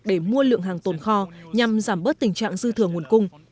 để mua lượng hàng tồn kho nhằm giảm bớt tình trạng dư thừa nguồn cung